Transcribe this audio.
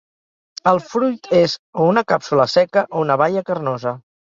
El fruit és o una càpsula seca o una baia carnosa.